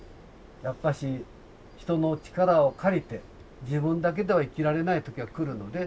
やっぱし人の力を借りて自分だけでは生きられない時が来るので。